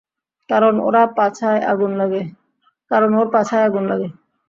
কারণ, ওর পাছায় আগুন লাগে।